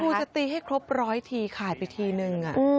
ครูจะตีให้ครบ๑๐๐ทีขาดไปทีหนึ่ง